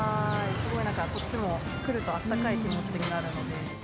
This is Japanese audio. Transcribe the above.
すごいなんか、こっちも来るとあったかい気持ちになるので。